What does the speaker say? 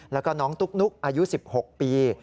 แล้วก็น้องตุ๊กนุ๊กอายุ๑๖ปี